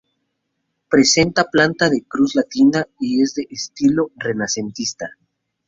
Presenta planta de cruz latina y es de estilo renacentista.